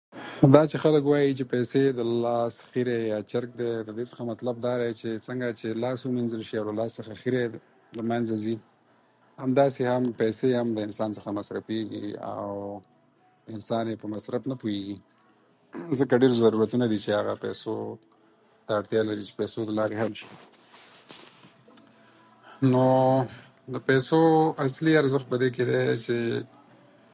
د ژوند په کړکیچنو پړاوونو کې يوازې هغه څوک د هسک تر پولو رسيږي چې هوډ يي د غره د ډبرې په څير کلک وي